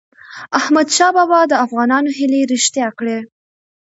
احمدشاه بابا د افغانانو هیلې رښتیا کړی.